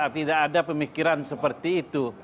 tidak ada pemikiran seperti itu